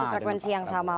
satu frekuensi yang sama